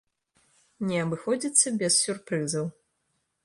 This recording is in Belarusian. Не абыходзіцца без сюрпрызаў.